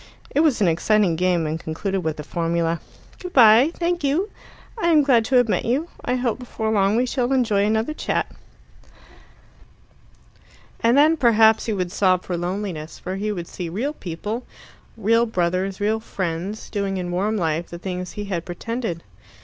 It was an exciting game, and concluded with the formula: "Good bye. Thank you. I am glad to have met you. I hope before long we shall enjoy another chat." And then perhaps he would sob for loneliness, for he would see real people real brothers, real friends doing in warm life the things he had pretended.